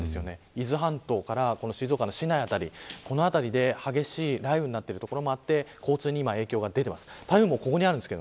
伊豆半島から静岡の市内辺りこの辺りで激しい雷雨になっている所もあって交通に今影響が出ています。